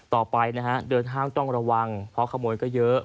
ต่อไปนะฮะเดินห้างต้องระวังเพราะขโมยก็เยอะ